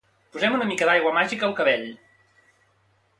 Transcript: Posem una mica d'aigua màgica al cabell